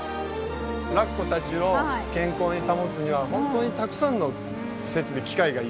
ラッコたちを健康に保つには本当にたくさんの設備機械がいる。